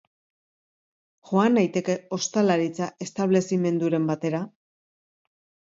Joan naiteke ostalaritza-establezimenduren batera?